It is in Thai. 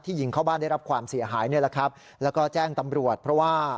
ยิงเข้าบ้านได้รับความเสียหายนี่แหละครับแล้วก็แจ้งตำรวจเพราะว่า